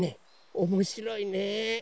おもしろいね。